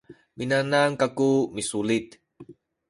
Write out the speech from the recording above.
minanam kaku misulit